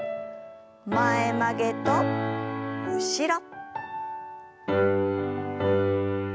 前曲げと後ろ。